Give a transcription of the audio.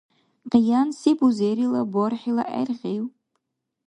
Къиянси бузерила бархӀила гӀергъив?